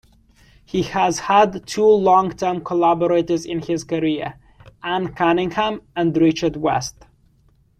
He has had two long-term collaborators in his career, Anne Cunningham and Richard West.